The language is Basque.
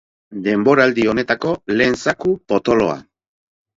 Denboraldi honetako lehen zaku potoloa.